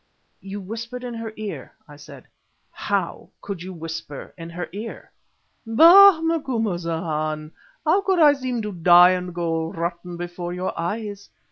"You whispered in her ear?" I said. "How could you whisper in her ear?" "Bah! Macumazahn. How could I seem to die and go rotten before your eyes?